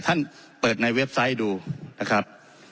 ท่านเปิดในเว็บไซต์ดูนะครับ